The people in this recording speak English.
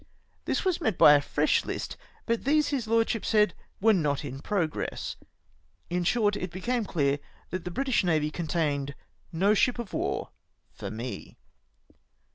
This was met by a fresh hst, but these his lordship said were not in pro gress. Li short, it became clear that the British Navy contained no ship of war for me.